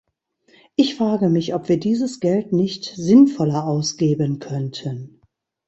Ich frage mich, ob wir dieses Geld nicht sinnvoller ausgeben könnten.